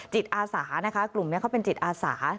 จิตอาสานะคะกลุ่มนี้เขาเป็นจิตอาสา